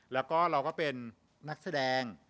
แล้วก็เราก็เป็นนักแสดง